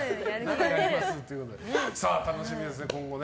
楽しみですね、今後。